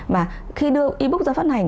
và khi đưa e book ra phát hành